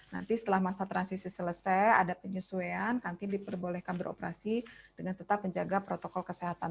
nanti setelah masa transisi selesai ada penyesuaian kantin diperbolehkan beroperasi dengan tetap menjaga protokol kesehatan